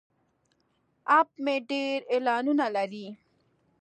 اپ مې ډیر اعلانونه لري.